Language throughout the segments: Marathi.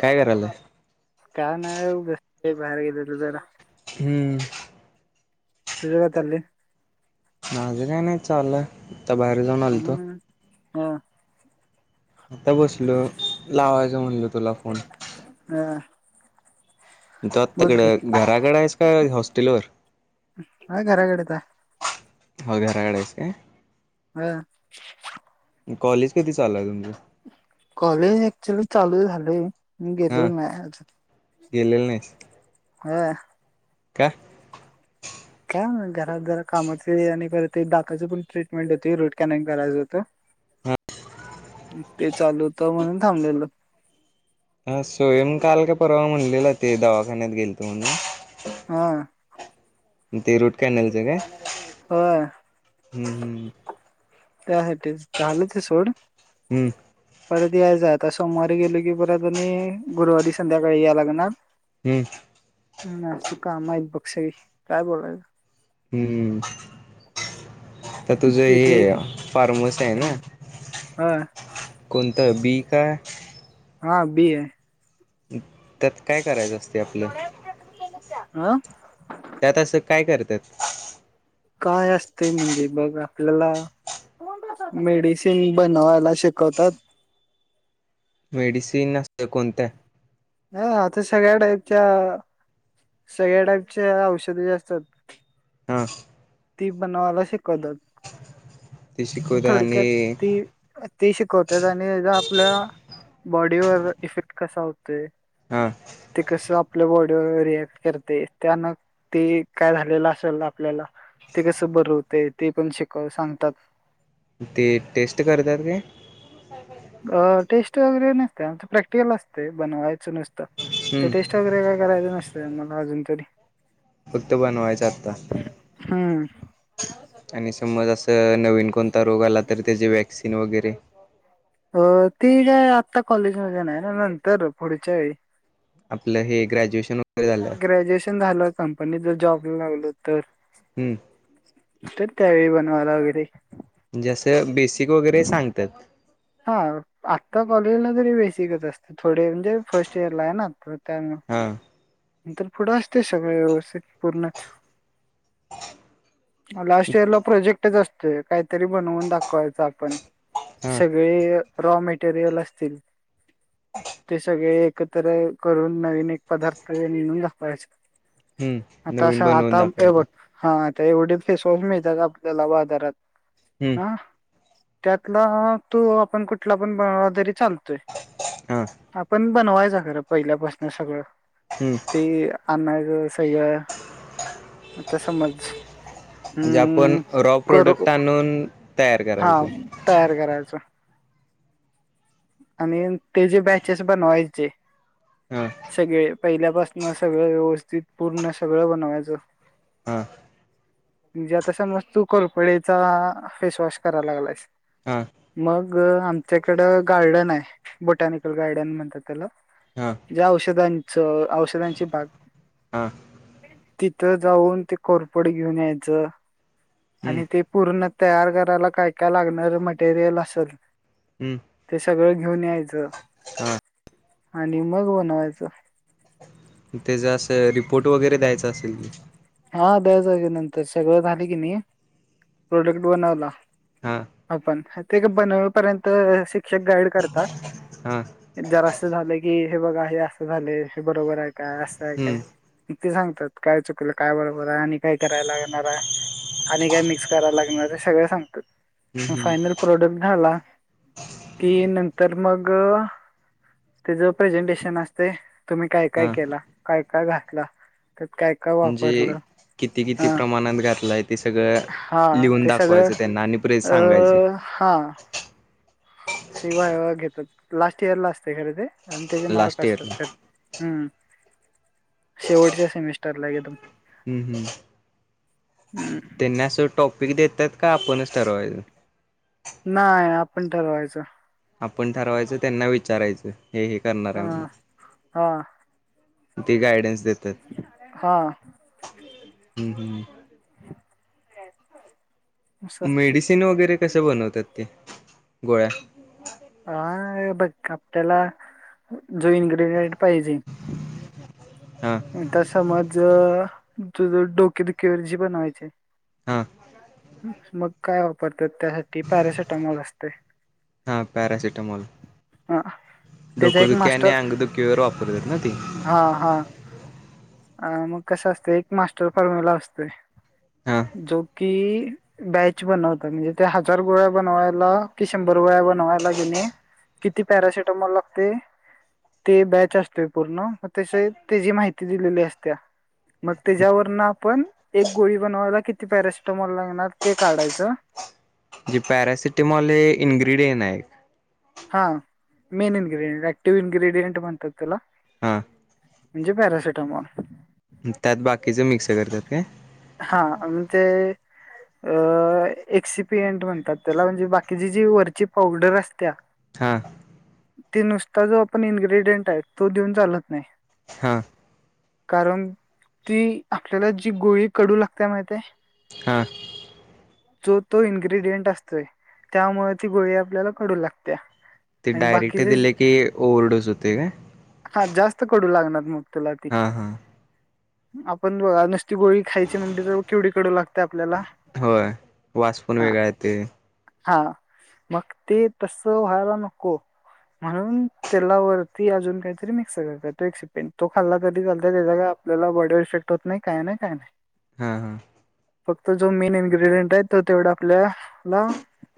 काय करायलाय? काय नाही बसलोय बाहेर गेलेलो जरा. हम्म तुझं काय चाललंय? माझं काय नाही चालय आता बाहेर जाऊन आलतो हम्म हा आता बसलो लावायचं म्हणलो तुला फोन. हा तू आता बोल की तिकडं घराकडे आहेस का हॉस्टेलवर? हाय घराकडचं हाय. हो घराकड हाईस काय? ह्ं कॉलेज कधी चालू हाय तुमचं? कॉलेज ऍकच्यूअली चालू झालंय मी हा गेलेलो नाही आजून. गेलेलं नाहीस. व्हय का? घरात जरा कामाचे आणि खर ते दातांची पण ट्रीटमेंट होती रूट कॅनल करायचं होतं. ते चालू होत म्हणून थांबलेलो. हा स्वयं काल का परवा म्हणलेला ते दवाखान्यात गेलतो म्हणून. हां ते रूट कॅनलचं काय? व्हय हम्म त्यासाठी झालं ते सोड. हम्म परत यायच आता सोमवारी गेलो की परत आणि गुरुवारी संध्याकाळी या लागणार. हम्म हं अशी काम आहेत बघ सगळी काय बोलायचं. हम्म तर तुझं तिथे हे फारमस आहे ना हा कोणतं बी काय? हा बी आहे. त्यात काय करायचं असत. अहं त्यात असं काय करतात? काय असतं म्हणजे बघ आपल्याला मेडिसिन बनवायला शिकवतात. मेडिसिन असत कोणतं? ना आता सगळ्या टाईपच्या सगळ्या टाईपच्या औषधे असतात. हां ती बनवायला शिकवतात. ते शिकवतात थोडक्यात आणि ती ती शिकवत्यात आणि आपल्या बॉडीवर इफेक्ट कसा होते हा ते कस आपल्या बॉडी रिऍक्ट करते त्यान ते काय झालेलं असल आपल्याला ते कसं बर होते ते पण शिकव सांगतात. ते टेस्ट करत्यात काय टेस्ट वगैरे नसते आमच प्रॅक्टिकल असते बनवायचं नुसतं ते टेस्ट हम्म वगैरे काय करायच नसते मला अजून तरी फक्त बनवायचं आता हम्म. आणि समज असं नवीन कोणता रोग आला तर त्याचे व्हॅक्सिन वगैरेऽऽ अ तेी काय आता कॉलेजमध्येध्ये नाई ना,, नंतर पुढच्या वेळी आपलं हे ग्रॅज्युएशन वगैरे झालं ग्रॅज्युएशन झालं कंपनीत जर जॉबला लागलो तर हम्म तर त्यावेळी बनवाला वगैरे जसं बेसिक वगैरे सांगतात. हा,, आत्ता कॉलेजला तरी बेसिकच असते,, थोडे म्हणजे फर्स्ट इयर ला आहे ना,, आ. त्यांन हा नंतर पुढं असतय सगळं व्यवस्थित पूर्णच. लास्ट इयर ला प्रोजेक्टच असतोय,, काहीतरी बनवून दाखवायचं आपण. हा सगळे रॉ मटेरियल असतील. ते सगळे एकत्र करून नवीन एक पदार्थऽऽ तायच हम्म आता अश नवीन बनवून आता दाखवायचा बट,, हा एवढे ते सोपमिळतात का आपल्याला बाजारात हम्म ह त्यातला, तो आपण कुठला पण बनवला तरी चालतोय. हा आपण बनवायचा खरं पहिल्यापासन सगळं. हम्म ती अनग सय्या म समज म्हणजे आपण हम्म रॉ करू प्रोडक्ट आणून तयार हा करायच. तयार करायचं आणि ते जे बॅचेस बनवायचे हम पहिल्यापासन सगळं व्यवस्थित पूर्ण सगळं बनवायचं. हा म्हणजे आता समज तू कोरफडीचा फेसवॉश कराय लागलायस. हा मगं ऽआमच्याकडं गार्डन आय,, बोटॅनिकल गार्डन म्हणतात त्याला. हा जे औषधांचं, औषधांची बाग हा तिथं जाऊन ते कोरपड घेऊन यायचं. हम्म आणि ते पूर्ण तयार करायला काय काय लागणार मटेरियल असल हम्म, ते सगळं घेऊन यायचं,, हा आणि मग बनवायचं. त्याचा असं रिपोर्ट वगैरे द्यायचा असेल. हा द्या चार की नंतर, सगळं झाले की नाही, प्रोडक्ट बनवला. हा आपण,, ते काय बनवे पर्यंत शिक्षक गाईड करतात. हा जरा अस झालं की, हे बघा हे असं झालेय, हे बरोबर आय काय, असं आहे काय, हम्म म ते सांगतात काय चुकलं, काय बरोबर, आणि काय कराय लागणार य आणि काय मिक्स करायला लागणारय,, ते सगळ सांगत्यात, हम्म म हम्म फायनल प्रोडक्ट झाला. कि' नंतर मगऽऽ ते ज प्रेझेंटेशन असतय,, तुम्ही काय, काय हा केला. काय, काय घातला. काय, काय म्हणजे वापरलं. किती, किती ह प्रमाणात घातलाय ते सगळं हा लिहून ते सगळं दाखवायचं त्यांना आणि परेत सांगायचे अ हा शिवाय अ घेतात,, लास्ट इयर ला असतय खरं ते. आणि त्याचे मार्क लास्ट असतात इयरला खर,, हम्म, शेवटच्या सेमिस्टरला एकदम. हम्म हम्, हम्म तेना अस टोप पीक देतात का आपणच ठरवायच नाय आपण ठरवायचं. आपण ठरवायचं त्यांना विचारायचं. हे, हे करणार आहे म्हणून. हा. ती गायडन्स देत हा हम् हम् [unintelligible] असते. मेडिसिन वगैरे कसे बनवतात ते गोळ्या हा बा आपल्याला जो इनग्रीडियंट पाहिजे हां आता समज तुझ डोकेदुखी वरची बनवायचे. हां मग काय वापरतात त्यासाठी पॅरासेिटामॉल असते. हा पॅरासिटमोल हा त्याचा एक डोकदुखी आणि मास्टर अंगदुखी वर वापरतात ना ती हा हा अ मग कसं असत एक मास्टर फॉर्म्युला असतो हा जो कि बॅच बनवतात म्हणजे त्या हजार गोळ्या बनवायला कि शंभर गोळ्या बनवायला घेणे किती पॅरासिटमॉल लागते ते बॅच असते पूर्ण मग त्यास त्याची माहिती दिलेली असत्या. मग त्याच्यावरन आपण एक गोळी बनवायला किती पॅरासिटामॅल लागणार ते काढायचं. जी पॅरासिटेमॉल हे इन्ग्रीडियंट आहे एक हा मेन इन्गेडियंट ऍक्टिव्ह इ्ग्रेडियंट म्हणतात त्याला हा म्हणजे पॅराासिटमॉोल त्यात बाकीच मिक्स करतात काय? हा आ ते अ एसी पी एंट म्हणतात त्याला म्हणजे बाकीची जी वरची पावडर असत्या हा ते नुसता जो आपण इन्ग्रेडियंट आहे तो देऊन चालत नाही. हा कारण ती आपल्याला जी गोळी कडू लागते माहितेय. हा जो तो इन्ग्रेडियंट असतोय त्यामुळे ती गोळी आपल्याला कडू लागत्या. ते आणि डायरेक्ट बाकीचे दिले की ओव्हरडोस होते काय हा जास्त कडू लागणार कडू लागती. हां हां आपण बघा नुसती गोळी खायची म्हणली तर केवडी कडू लागत्या. होय वास पण वेगळा येतोय. हा मग ते तस व्हायला नको म्हणून तेलावरती अजून काहीतरी मिक्स करतो एक सिपेंड तो खाल्ला तरी चालत त्याचा काय आपल्याला बॉडी इफेक्ट होत नाही काय नाही काय नाही. हा हा फक्त जो मेन इन्ग्रेडियंट आहे तो तेवढा आपल्याला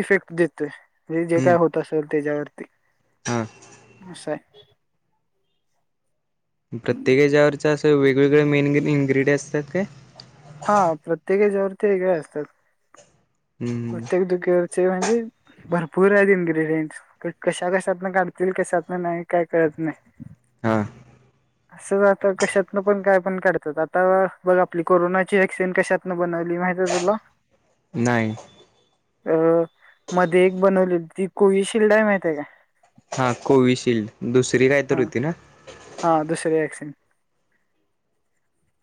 इफेक्ट देतोय. म्हणजे जे हम्म काय होत असेल त्याच्यावरती हां असं आहे. प्रत्येकाच्यावरच्या असं वेगवेगळे्या मेन इनग्रेडियंट्स असतात काय? हा प्रत्येकाच्यावरती वेगळे असतात हम्म प्रत्येक दुखेवर ते म्हणजे भरपूर आहेत इन्ग्रेडियंट कशा कशातन काढतील कशातनं नाही काय कळत नाही. हा असं आ कशातनं पण काय पण काढतात आता बघ आपली कोरोनाची व्हॅक्सिन कशातनं बनवली. माहित आहे तुला? नाही अ मध्ये एक बनवलेली ती कोविशिल्ड आहे माहिती आहे काय? हा कोविशिल्ड दुसरी काय तर हा होती ना हा दुसरी व्हॅक्सिन [inaudible]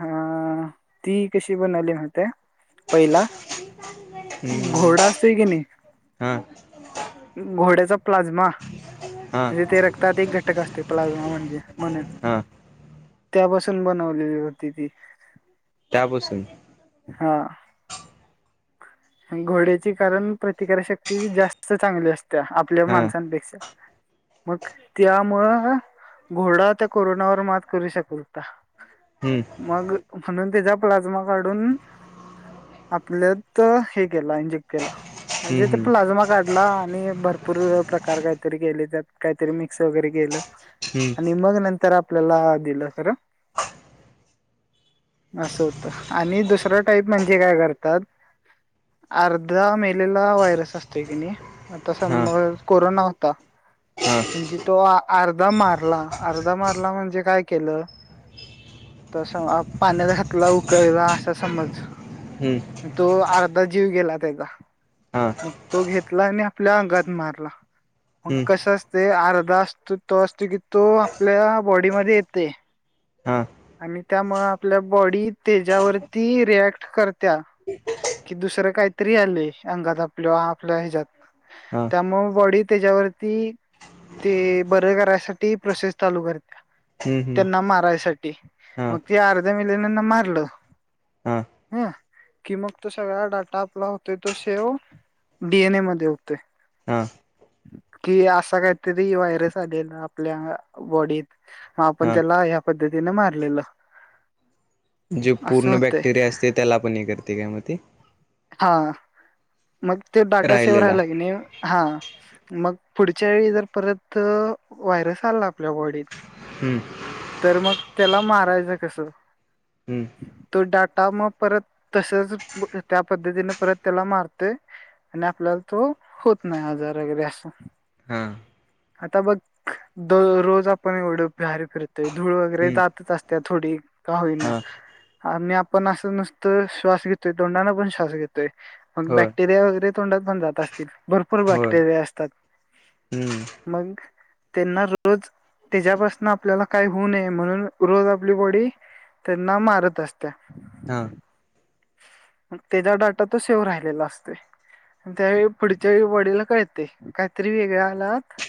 हा ती कशी बनवली होते पहिला घोडा असतोय की नाही हां घोड्याचा प्लाझ्मा हां म्हणे ते रक्तात एक घटक असते प्लाझ्मा म्हणजे. म्हणुन हां त्यापासून बनवलेली होती ती. त्यापासून. हा. घोड्याची कारण प्रतिकारशक्ती जास्त चांगली असत्या आपल्या हां माणसांपेक्षा. मग त्यामुळं घोडा त्या कोरोनावर मात करू शकत होता. हम्म मग म्हणून त्याचा प्लाझ्मा काढून आपल्या तर हे के इंजेक्ट केला म्हणजे हम्म हम्म प्लाझ्मा काढ ला आणि भरपूर प्रकार काहीतरी केले त्यात काहीतरी मिक्स वगैरे केलं. आणि हम्म मग नंतर आपल्याला दिलं खरं. [inaudible] असं होत आणि दुसरं टाईप म्हणजे काय करतात. [inaudible] अर्धा मेलेला व्हायरस असतोय की नाही आता हां समज कोरोना होता. हां म्हणजे तो अर्धा मारला अर्धा मारला म्हणजे काय केलं. तस पाण्यात घातला उकळला असा समज. हम्म तो अर्धा जीव गेला त्याचा हां मग तो घेतला आणि आपल्या अंगात मारला. मग हम्म कसं असते अर्धा असतो तो असतो की तो आपल्या बॉडीमध्ये येते. हां आणि त्यामु आपल्या बॉडी त्याच्यावरती रिएक्ट करत्या. कि दुसरं काहीतरी आलंय अंगात आपल्या आपल्या ह्याच्यात. हां त्यामुळं बॉडी त्याच्यावरती ते बरे करायसाठी प्रोसेस चालू करते हम्म हम्म त्यांना मारायसा टी हां मग ते अर्ध्या मिलनना मारलं हां ह. कि मग तो सगळा डाटा आपला होते तो सेव्ह डीएनए मध्ये होते. [inaudible] कि असा काहीतरी व्हायरस आलेला आपल्या बॉडीत हि आपण हां त्याला ह्या प द्धतीन मारलेलं. जे असं पूर्ण होतंय बॅक्टेरिया असते त्याला पण हे करते काय मग ते? हा मग ते डाटा सेव राहिलेला राहिला के नाही हा. मग पुढच्या वेळी जर परत व्हायरस आला आपल्या बॉडीत हम्म तर मग त्याला मारायचं कसं. हम्म तो डाटा मग परत तसच त्या पद्धतीने परत त्याला मारते आणि आपल्याला तो होत नाही आजार वगैरे असं. हा. आता बघ द रोज आपण एवढं भर फिरतोय धूळ वगैरे हम्म जातच असत थोडी का होईलना हां आणि आपण असं नुसतं श्वास घेतोय तोंडाने पण श्वास घे तोय. मग होय बॅक्टेरिया वगैरे तोंडात पण जात असतील भरपूर होय बॅक्टेरिया असतात. हम्म मग त्यांना रोज त्याच्यापासून आपल्याला काय होऊ नये म्हणून रोज आपली बॉडी त्यांना मारत असते. हा. त्याचा डाटा तो सेव्ह राहिलेला असतोय. त्यावेळी पुढच्या वेळी बॉडीला कळते काहीतरी वेगळे आलात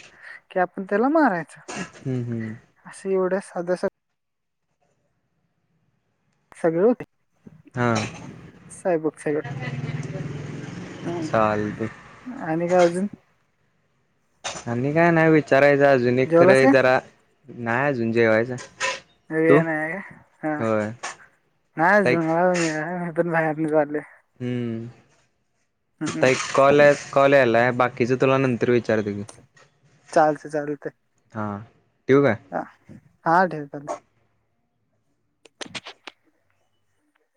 की आपण त्याला मार यचं हम्म हम्म असे एवढं साध सगळं हां साहेबक सगळं चालते हम आणि का अजून आणि काय नाही विचारायच अजुून जेवलास कंय का जरा नाही अजून जेवायच तू होय अन लाईक ऎंटिलेजेबल हम्म आता एक कॉल आहे कॉल यालाय बाकीच तुला नंतर विचार ती हा ठेवू काय? ह हा ठेवतील